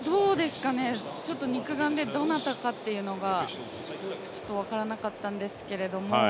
ちょっと肉眼でどなたかというのは分からなかったんですけども。